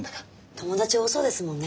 友達多そうですもんね